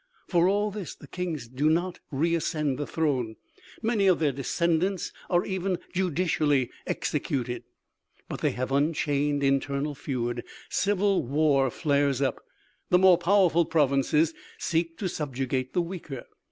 For all this the kings do not re ascend the throne. Many of their descendants are even judicially executed. But they have unchained internal feud. Civil war flares up. The more powerful provinces seek to subjugate the weaker.